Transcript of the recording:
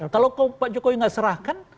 kalau pak jokowi nggak serahkan